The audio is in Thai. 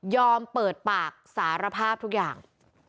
เปิดปากสารภาพทุกอย่าง